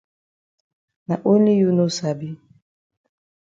Na only you no sabi.